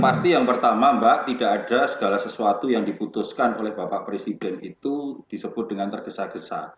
pasti yang pertama mbak tidak ada segala sesuatu yang diputuskan oleh bapak presiden itu disebut dengan tergesa gesa